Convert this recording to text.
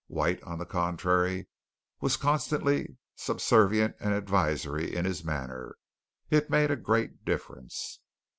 White, on the contrary, was constantly subservient and advisory in his manner. It made a great difference.